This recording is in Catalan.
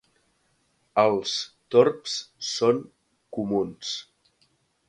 Els torbs són comuns.